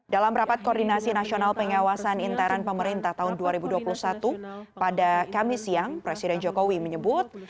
dalam rapat koordinasi nasional pengawasan interan pemerintah tahun dua ribu dua puluh satu pada kamis siang presiden jokowi menyebut